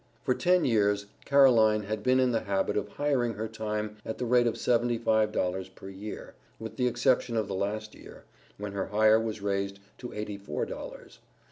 For ten years Caroline had been in the habit of hiring her time at the rate of seventy five dollars per year, with the exception of the last year, when her hire was raised to eighty four dollars.